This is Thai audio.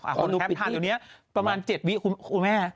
อ่ะพระเนื้อแคปทันแต่วันนี้ประมาณ๗วิระบบคุณแม่